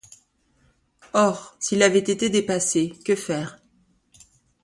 Or, s’il avait été dépassé, que faire?...